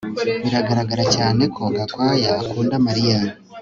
Biragaragara cyane ko Gakwaya akunda Mariya